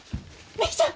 美貴ちゃん！